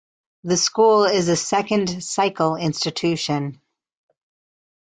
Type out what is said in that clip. The school is a second cycle institution.